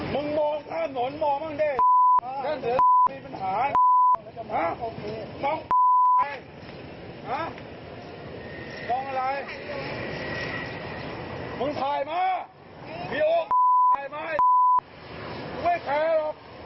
มองมาเฉียบเหรอ